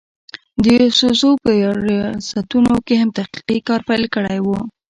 د يوسفزو پۀ رياستونو هم تحقيقي کار پېل کړی وو